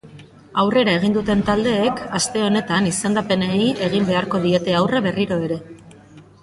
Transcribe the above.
Aurrera egin duten taldeek aste honetan izendapenei egin beharko diete aurre berriro ere.